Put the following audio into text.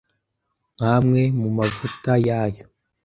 nk’amwe mu mavuta yayo,